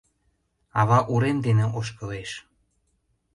Ава урем дене ошкылеш.